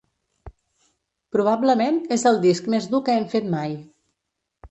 Probablement, és el disc més dur que hem fet mai.